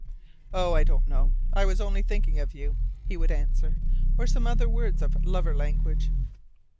"Oh, I don't know. I was only thinking of you," he would answer, or some other words of lover language.